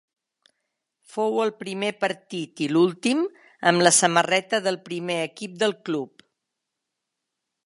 Fou el primer partit i l'últim amb la samarreta del primer equip del club.